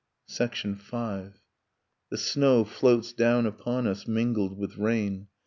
V. The snow floats down upon us, mingled with rain